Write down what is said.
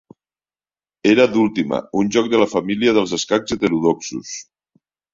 Era d'Ultima, un joc de la família dels escacs heterodoxos.